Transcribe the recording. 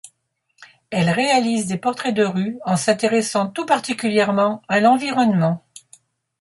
Elle réalise des portraits de rue en s’intéressant tout particulièrement à l’environnement.